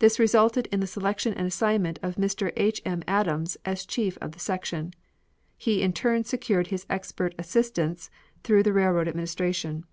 This resulted in the selection and assignment of Mr. H. M. Adams as chief of the section. He in turn secured his expert assistants through the Railroad Administration.